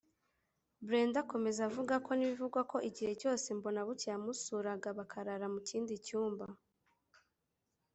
Brenda akomeza avuga ko n’ibivugwa ko igihe cyose Mbonabucya yamusuraga bakarara mu kindi cyumba